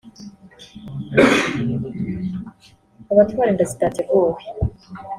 abatwara inda zitateguwe